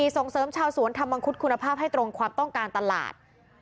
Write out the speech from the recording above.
ส่งเสริมชาวสวนทำมังคุดคุณภาพให้ตรงความต้องการตลาด